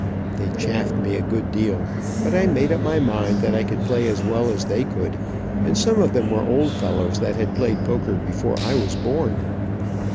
They chaffed me a good deal, but I made up my mind that I could play as well as they could, and some of them were old fellows that had played poker before I was born.